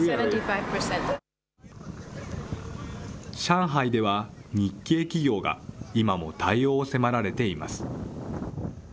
上海では、日系企業が、今も対応を迫られています。